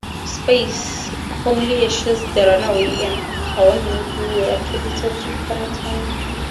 "Space", "Only Ashes", "The Runaway" and "I Won't Make You" were credited to Partington.